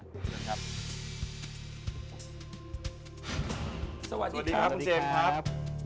สวัสดีครับคุณเจมส์ครับ